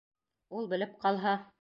Ул белеп ҡалһа?